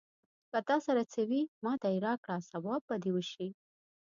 که تا سره څه وي، ماته يې راکړه ثواب به دې وشي.